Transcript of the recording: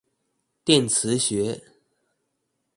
電磁學